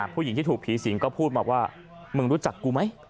ผู้หญิงที่ถูกผีสิงก็พูดมาว่ามึงรู้จักกูไหม